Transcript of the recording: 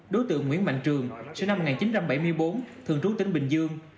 đối tượng nguyễn mạnh trường sinh năm một nghìn chín trăm bảy mươi bốn thường trú tỉnh bình dương